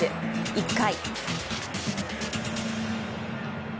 １回。